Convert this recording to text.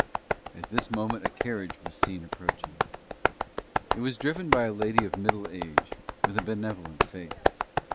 At this moment a carriage was seen approaching. It was driven by a lady of middle age, with a benevolent face.